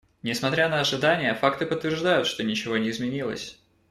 Несмотря на ожидания, факты подтверждают, что ничего не изменилось.